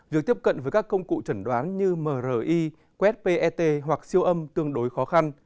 việc tiếp cận với các công cụ trần đoán như mri quét pet hoặc siêu âm tương đối khó khăn